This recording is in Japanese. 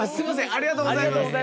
ありがとうございます。